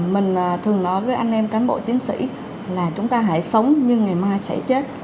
mình thường nói với anh em cán bộ chiến sĩ là chúng ta hãy sống nhưng ngày mai sẽ chết